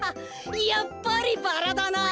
やっぱりバラだな！